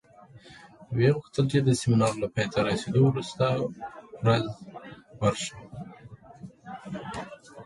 ویې غوښتل چې د سیمینار له پای ته رسېدو وروسته ورځ ورشم.